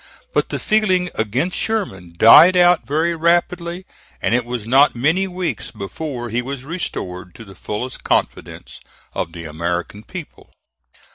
But the feeling against Sherman died out very rapidly, and it was not many weeks before he was restored to the fullest confidence of the American people.